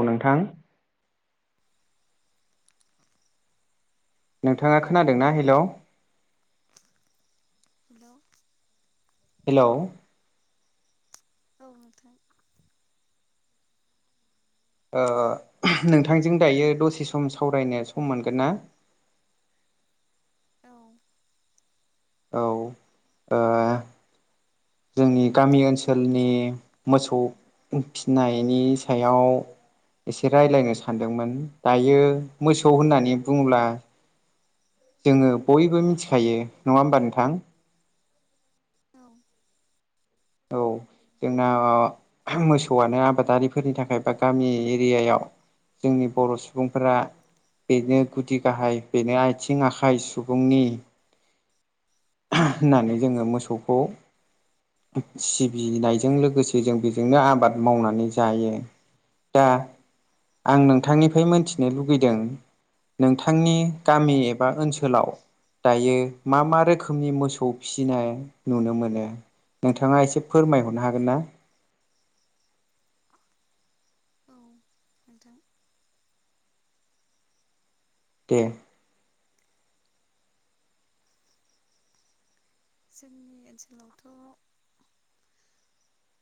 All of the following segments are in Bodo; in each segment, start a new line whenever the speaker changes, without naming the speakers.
औ नोंथां नोंथाङा खोनादोंना हेलौ?
हेलौ
हेलौ
औ नोंथां।
ओ
खोनायाखै
नोंथांजों दायो दसे सम सम सावरायनो सम मोनगोन ना?
औ
औ ओ जोंनि गामि ओनसोलनि मोसौ फिनायनि सायाव एसे रायलायनो सानदोंमोन दायो मोसौ होननानै बुङोब्ला जोङो बयबो मिथिखायो नङा ओमबा नोंथां
औ
औ जोंना मोसौआनो आबादारिफोरनि थाखाय बा गामि एरियायाव जोंनि बर' सुबुंफोरा बेनो गुदि गाहाय बेनो आथिं आखाइ सुबुंनि होननानै जोङो मोसौखौ सिबिनायजों लोगोसे जों बेजोंनो आबाद मावनानै जायो। दा आं नोंथांनिफ्राय मोनथिनो लुबैदों नोंथांनि गामि एबा ओनसोलाव दायो मा मा रोखोमनि मोसौ फिसिनाय नुनो मोनो? नोंथाङा एसे फोरमायहरनो हागोन ना?
औ [unintelligible]
दे
[unintelligible]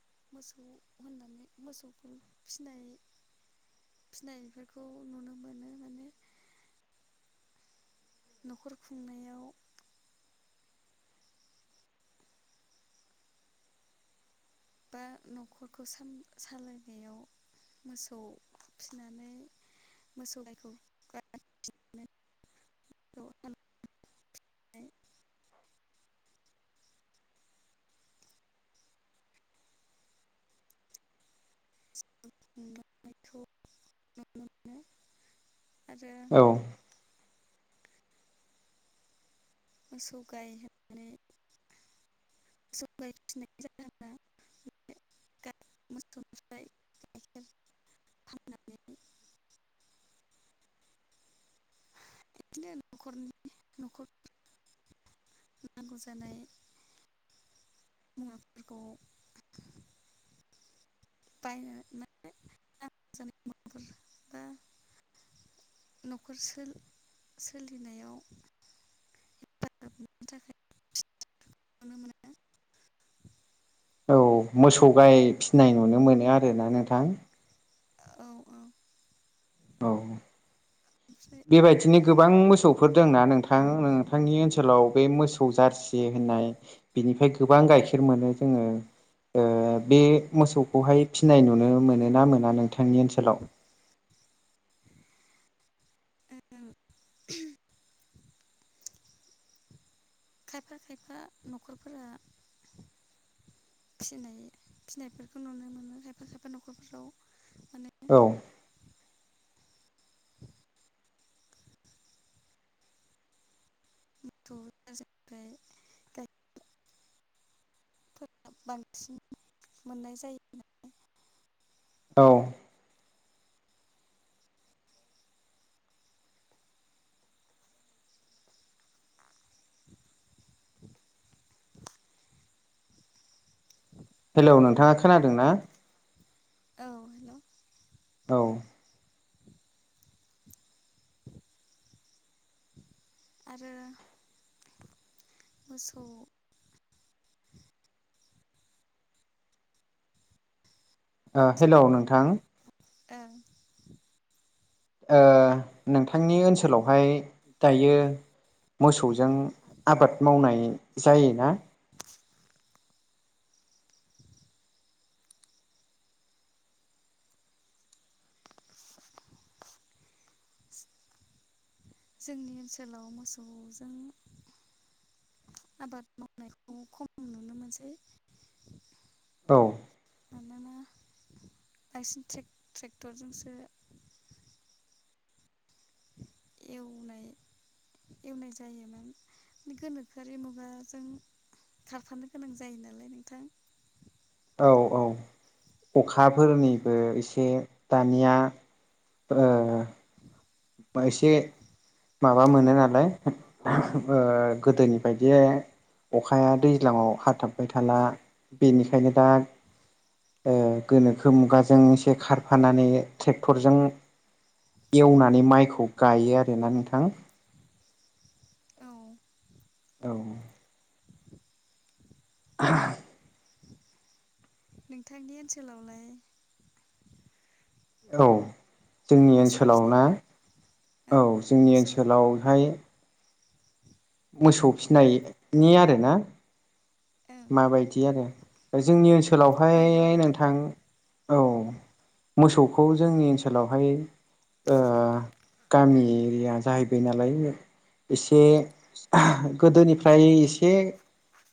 [unintelligible] [unintelligible] [unintelligible] [unintelligible] [unintelligible] [inaudible] गायनायखौ नुनो मोनो आरो
औ
मोसौ गाय होननानै [unintelligible] [unintelligible] इदिनो न'खरनि न'खर नांगौ जानाय [unintelligible] [unintelligible] न'खर सो- सोलिनायाव [unintelligible]
औ मोसौ गाय फिनाय नुनो मोनो आरोना नोंथां
औ औ
औ
ओमफ्राय
बेबायदिनो गोबां मोसौफोर दंना नोंथां नोंथांनि ओनसोलाव बे मोसौ जारसि होननाय बेनिफ्राय गोबां गाइखेर मोनो जोङो बे मोसौखौहाय फिनाय नुनो मोनो ना मोना नोंथांनि ओनसोलाव [unintelligible]
[unintelligible] खायफा खायफा न'खरफोरा फिनाय फिसिनायफोरखौ नुनो मोनो खायफा खायफा न'खरफोराव माने
औ
[unintelligible] फोर बांसिन मोननाय जायो नालाय
औ हेलौ नोंथाङा खोनादों ना?
औ हेल'
औ ओ
आरो मोसौ
ओ हेल' नोंथां
ओं
नोंथांनि ओनसोलावहाय दायो मोसौजों आबाद मावनाय जायोना
जोंनि ओनसोलाव मोसौजों आबाद मावनायखौ खम नुनो मोनसै
औ
मानोना बांसिन ट्रेक्टरजोंसो एवनाय एवनाय जायोमोन गोनोखोआरि मुगाजों खारफानो गोनां जायो नालाय नोंथां
औ औ अखाफोरनिबो एसे दानिया ओ एसे माबा मोनो नालाय ओ गोदोनि बायदि अखाया दैज्लाङाव हाथाब बाय थाला बेनिखायनो दा गोनोखो मुगाजों एसे खारफानानै ट्रेक्टरजों एवनानै माइखौ गायो आरोना नोंथां
औ
औ [unintelligible]
नोंथांनि ओनसोलावलाय
औ जोंनि
मोसौ
ओनसोलाव ना
फिसिनायखौ
औ
ओं
जोंनि
मोसौ
ओनसोलावहाय मोसौ फिसिनायनि आरोना
ओं
माबायदि आरो जोंनि ओनसोलावहाय
ओं माबायदि
नोंथां औ मोसौखौ जोंनि ओनसोलावहाय गामि एरिया जाहैबाय नालाय एसे गोदोनिफ्राय एसे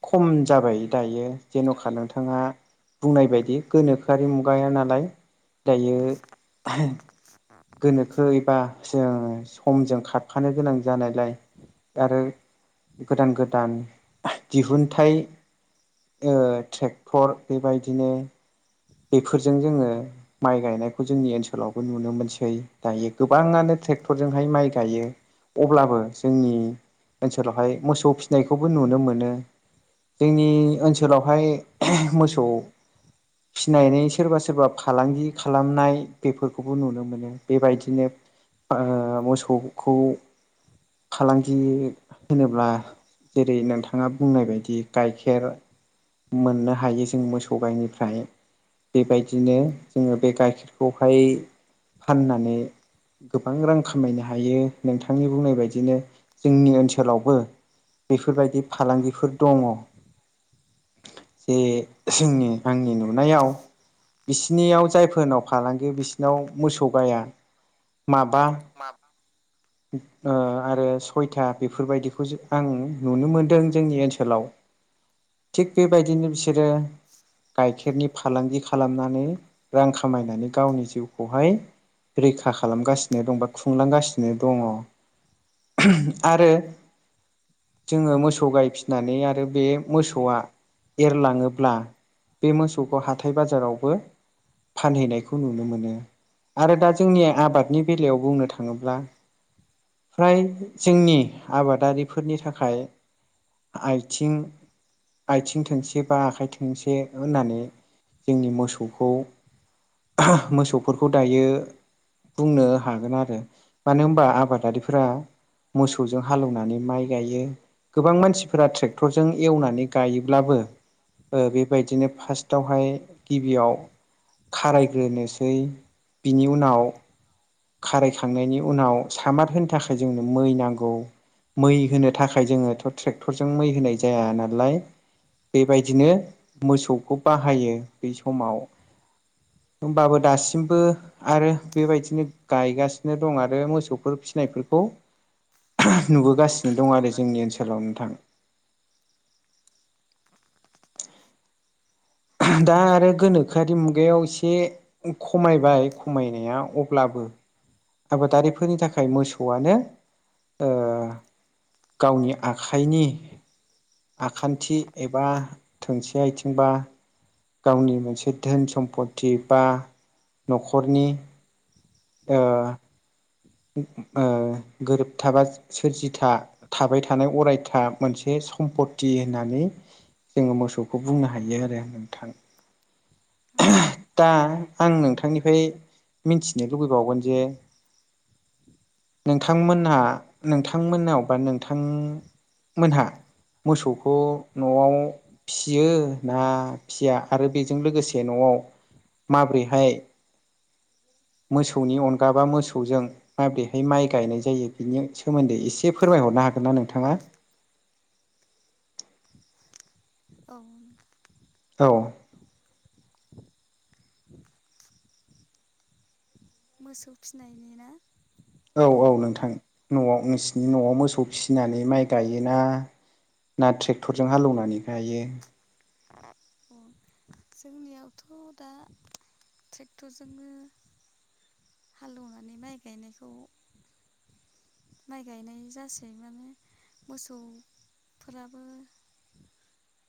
खम जाबाय दायो जेन'खा
दायो
नोंथाङा बुंनाय बायदि गोनोखोआरि मुगाया नालाय दायो गोनोखो एबा जों समजों खारफानो गोनां जानायलाय आरो गोदान गोदान दिहुनथाइ ट्रेक्टर बेबायदिनो बेफोरजों जोङो माइ गायनायखौ जोंनि ओनसोलावबो नुनो मोनसै दायो गोबाङानो ट्रेक्टरजोंहाय माइ गायो अब्लाबो जोंनि ओनसोलावहाय मोसौ फिसिनायखौबो नुनो मोनो जोंनि ओनसोलावहाय मोसौ फिसिनानै सोरबा सोरबा फालांगि खालामनाय बेफोरखौबो नुनो मोनो बेबायदिनो ओ मोसौखौ फालांगि होनोब्ला जेरै नोंथाङा बुंनाय बायदि गाइखेर मोननो हायो जों मोसौ गाइनिफ्राय बेबायदिनो जोङो बे गाइखेरखौहाय फाननानै गोबां रां खामायनो हायो नोंथांनि बुंनाय बायदिनो जोंनि ओनसोलावबो बेफोरबायदि फालांगिफोर दङ ए जोंनि आंनि न' नुनायाव बिसोरनियाव जायफोरनाव फालांगि बिसोरनाव मोसौ गाया माबा
माबा
ओ आरो सयथा बेफोरबायदिखौ आं नुनो मोनदों जोंनि ओनसोलाव थिग बेबायदिनो बिसोरो गाइखेर गाइखेरनि फालांगि खालामनानै रां खामायनानै गावनि जिउखौहाय रैखा खालामगासिनो दं बा खुंलांगासिनो दङ। आरो जोङो मोसौ गायफिसिनानै आरो बे मोसौआ एरलाङोब्ला बे मोसौखौ हाथाय बाजारावबो फानहैनायखौ नुनो मोनो। आरो दा जोंनि आबादनि बेलायाव बुंनो थाङोब्ला फ्राय जोंनि आबादारिफोरनि थाखाय आथिं आथिं थोंसे बा आखाय थोंसे होननानै जोंनि मोसौखौ मोसौफोरखौ दायो बुंनो हागोन आरो मानो होनबा आबादारिफोरा मोसौजों हालौवनानै माइ गायो। गोबां मानसिफोरा ट्रेक्टरजों एवनानै गायोब्लाबो ओ बे बेबायदिनो फार्स्टआवहाय गिबियाव खारायग्रोनोसै बिनि उनाव खारायखांनायनि उनाव सामार होनो थाखाय जोंनो मै नांगौ। मै होनो थाखाय जोङोथ' ट्रेक्टरजों मै होनाय जाया नालाय। बेबायदिनो मोसौखौ बाहायो बै समाव। होनबाबो दासिमबो आरो बेबायदिनो गायगासिनो दं आरो मोसौफोर फिसिनायफोरखौ नुबो गासिनो दं आरो
नुबोगा
जोंनि ओनसोलाव नोंथां। दा आरो गोनोखोआरि मुगायाव एसे खमायबाय खमायनाया अब्लाबो [inaudible] आबादारिफोरनि थाखाय मोसौआनो ओ गावनि आखाइ आखाइनि आखान्थि एबा थोंसे आथिंबा गावनि मोनसे धोन सम्पति बा न'खरनि ओ ओ गोरोबथा बा सोरजिथा थाबाय थानाय अरायथा मोनसे सम्पति होननानै जोङो मोसौखौ बुंनो हायो आरो नोंथां।
औ
दा आं नोंथांनिफ्राय मिथिनो लुबैबावगोन जे नोंथांमोनहा नोंथांमोननाव बा नोंथांमोनहा मोसौखौ न'वाव फियो ना फिया आरो बेजों लोगोसे न'वाव माब्रैहाय मोसौनि अनगा बा मोसौ मोसौजों माबोरैहाय माइ गायनाय जायो बिनि सोमोन्दै एसे फोरमायहरनो हागोन ना नोंथाङा? [inaudible]
औ
औ
मोसौ फिनायनि ना?
औ
न'आव
औ नोंथां न'वाव नोंसिनि न'आव मोसौ फिसिनानै माइ गायोना ना ट्रेक्टरजों हालौवनानै गायो?
अ जोंनियावथ' दा ट्रेक्टरजोंनो हालेवनानै माइ गायनायखौ माइ गायनाय जासै माने मोसौ फोराबो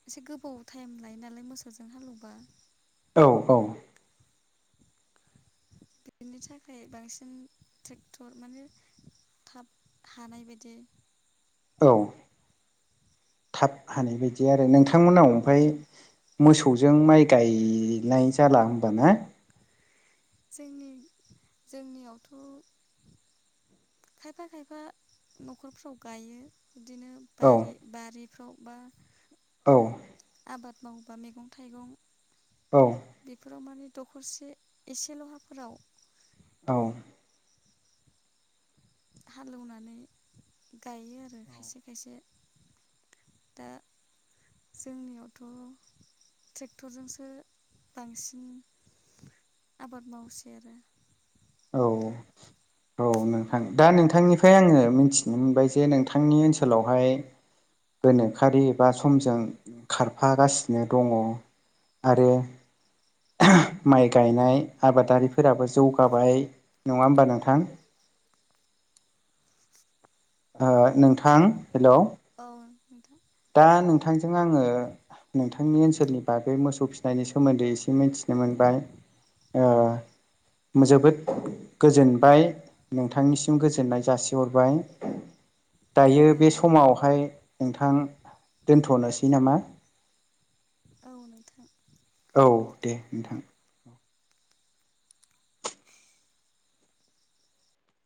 एसे गोबाव टाइम लायो नालाय मोसौजों हालेवबा।
औ औ
बेनि थाखाय बांसिन ट्रेक्टर माने थाब हानाय बायदि
औ थाब हानाय बायदि आरो नोंथांमोनाव ओमफाय मोसौजों माइ गायनाय जाला होमबा ना?
जोंनि जोंनियावथ' खायफा खायफा न'खरफ्राव गायो बिदिनो
औ
बारि बारिफ्राव बा
औ
आबाद मावोबा मैगं थाइगं
औ
बेफोराव माने दखरसे एसेल' हाफोराव
औ
हालेवनानै गायो आरो खायसे खायसे दा जोंनियावथ' ट्रेक्टरजोंसो बांसिन आबाद मावसै आरो
औ
नोंथां
औ नोंथां दा नोंथांनिफ्राय आङो मिथिनो मोनबाय जे नोंथांनि ओनसोलावहाय गोनोखोआरि एबा समजों खारफागासिनो दङ आरो माइ गायनाय आबादारिफोराबो जौगाबाय नङा होमबा नोंथां ओ नोंथां हेल'
औ नोंथां
दा नोंथांजों आङो नोंथांनि ओनसोलनि बागै मोसौ फिसिनायनि सोमोन्दै एसे मिथिनो मोनबाय ओ जोबोद
औ
गोजोनबाय नोंथांनिसिम गोजोननाय जासिहरबाय दायो
औ
बे समावहाय नोंथां दोनथ'नोसै नामा
औ नोंथां
औ दे नोंथां